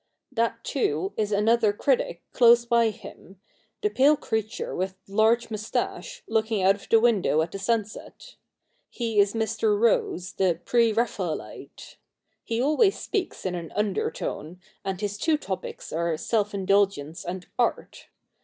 That, too, is another critic close by him — the pale creature, with large moustache, looking out of the window at the sunset. He is Mr. Rose, the pre Raphaelite. He always speaks in an undertone, and his two topics are self indulgence and art.